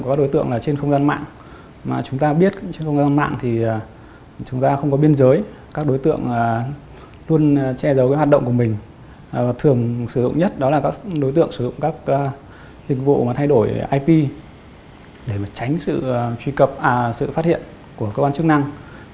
các đối tượng cũng đã sử dụng các phương thức này trước hết là để tránh sự phát hiện của các con chức năng